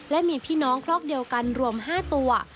และมีพี่น้องคลอกเดียวกันรวม๕ตัว